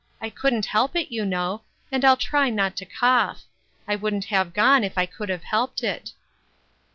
I couldn't help it, you know ; and I'll try not to cough. I wouldn't have gone if I could have helped it."